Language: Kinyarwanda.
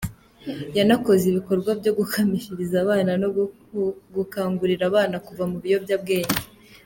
Yanakoze ibikorwa byo gukamishiriza abana no gukangurira abana kuva mu biyobyabwenge.